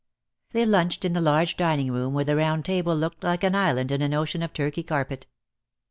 They lunched in the large dining room where the round table looked like an island in an ocean of Turkey carpet.